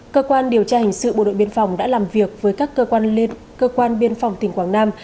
cơ quan điều tra hình sự bộ đội biên phòng đã làm việc với các cơ quan biên phòng tỉnh quảng nam